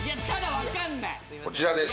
こちらです